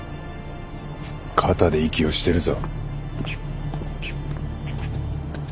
肩で息をしてるぞ。